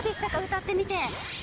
歌ってみて。